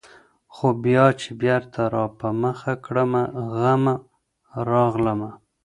خو بيا چي بېرته راپه مخه کړمه غم ، راغلمه